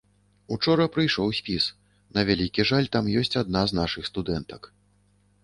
Учора прыйшоў спіс, на вялікі жаль, там ёсць адна з нашых студэнтак.